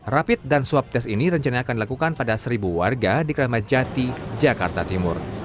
rapi tes dan swab tes ini rencananya akan dilakukan pada seribu warga di kramajati jakarta timur